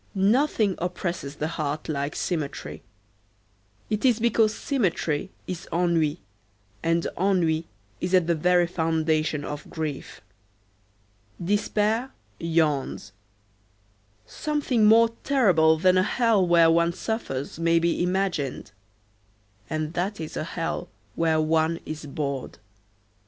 Nothing oppresses the heart like symmetry. It is because symmetry is ennui, and ennui is at the very foundation of grief. Despair yawns. Something more terrible than a hell where one suffers may be imagined, and that is a hell where one is bored.